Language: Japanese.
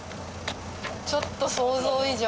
ちょっと想像以上。